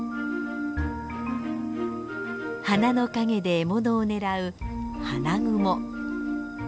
花の陰で獲物を狙うハナグモ。